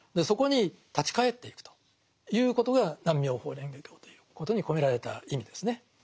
そこに立ち返っていくということが「南無妙法蓮華経」ということに込められた意味ですね。